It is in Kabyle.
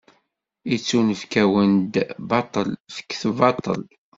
Ittunefk-awen-d baṭel, fket baṭel.